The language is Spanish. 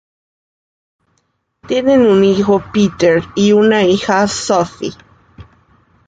Tienen un hijo, Peter, y una hija, Sophie.